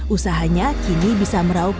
usahanya kini bisa meraukkan